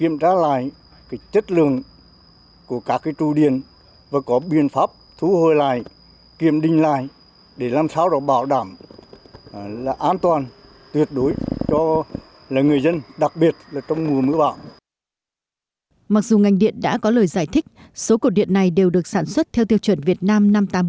mặc dù ngành điện đã có lời giải thích số cột điện này đều được sản xuất theo tiêu chuẩn việt nam năm nghìn tám trăm bốn mươi bảy hai nghìn một mươi sáu